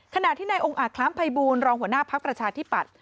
ขณะที่ในองค์อาทคล้ามภัยบูรณ์รองหัวหน้าพักประชาธิบัตร